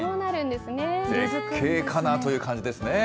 絶景かな、という感じですね。